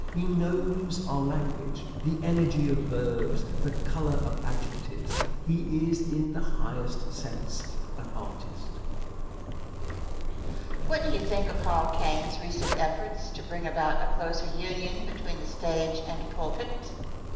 He knows our language, the energy of verbs, the color of adjectives. He is in the highest sense an artist. Question. What do you think of Hall Caine's recent efforts to bring about a closer union between the stage and pulpit?